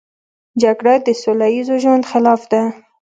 جګړه د سوله ییز ژوند خلاف ده